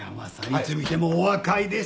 いつ見てもお若いですな。